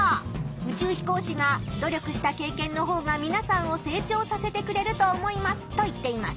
宇宙飛行士が「努力した経験のほうがみなさんを成長させてくれると思います」と言っています。